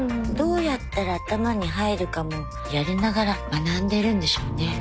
どうやったら頭に入るかもやりながら学んでるんでしょうね。